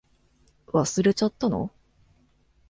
忘れちゃったの？